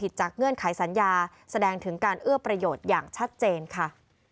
ทางชัดเจนค่ะ